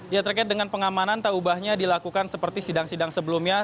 ya terkait dengan pengamanan tak ubahnya dilakukan seperti sidang sidang sebelumnya